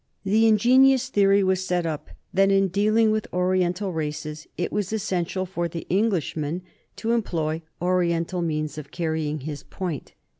The ingenious theory was set up that in dealing with Oriental races it was essential for the Englishman to employ Oriental means of carrying his point.